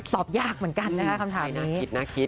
ตอบยากเหมือนกันนะคะคำถามนี้